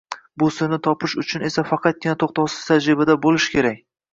Bu sirni topish uchun esa faqatgina tõxtovsiz tajribada bõlish kerak